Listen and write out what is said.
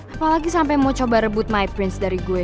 apalagi sampai mau coba rebut my prince dari gue